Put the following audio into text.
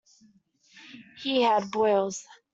He had boils.